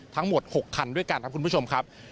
ทั้งหมด๖คันด้วยกันครับคุณผู้ชมครับ